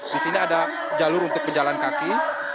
disini ada jalur untuk penjalan kaki